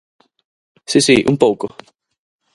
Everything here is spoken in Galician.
Si, si, ¡un pouco!